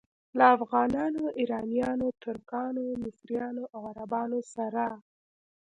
له افغانانو، ایرانیانو، ترکانو، مصریانو او عربانو سره.